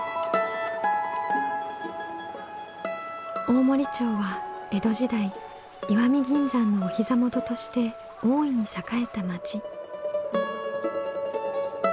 大森町は江戸時代石見銀山のお膝元として大いに栄えた町。